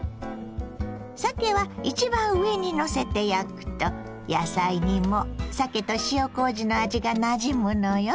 さけは一番上にのせて焼くと野菜にもさけと塩こうじの味がなじむのよ。